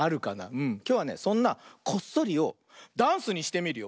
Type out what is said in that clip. きょうはねそんなこっそりをダンスにしてみるよ。